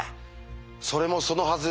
それもそのはず。